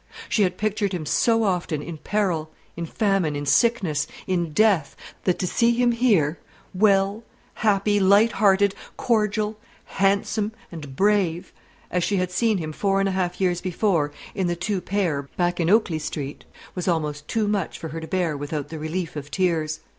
She had pictured him so often in peril, in famine, in sickness, in death, that to see him here, well, happy, light hearted, cordial, handsome, and brave, as she had seen him four and a half years before in the two pair back in Oakley Street, was almost too much for her to bear without the relief of tears.